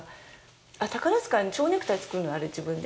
あ、宝塚ねちょうネクタイ作るの、あれ自分で。